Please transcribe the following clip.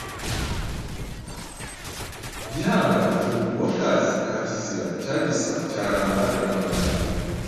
Gihanga ni uwa Kazi ka Kizira cya Gisa cya Randa rya Merano